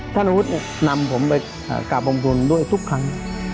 ท่านอุธนมนำผมไปกลับอมทุนด้วยทุกครั้ง